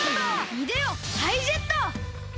いでよタイジェット！